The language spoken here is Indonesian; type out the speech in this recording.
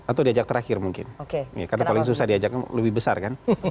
atau diajak terakhir mungkin karena paling susah diajaknya lebih besar kan